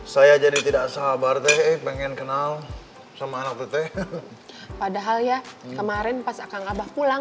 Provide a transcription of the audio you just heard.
saya jadi tidak sabar tapi pengen kenal sama anak itu padahal ya kemarin pas akan abah pulang